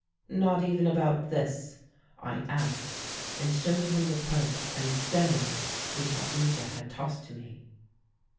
"'Not even about this?' I asked, and showed him the purse and stone which Aoodya had tossed to me.